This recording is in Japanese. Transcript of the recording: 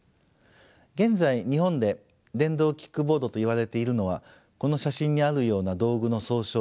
現在日本で電動キックボードと言われているのはこの写真にあるような道具の総称です。